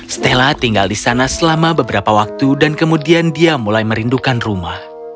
stella tinggal di sana selama beberapa waktu dan kemudian dia mulai merindukan rumah